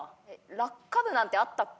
落下部なんてあったっけ？